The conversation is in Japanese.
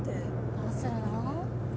どうするの？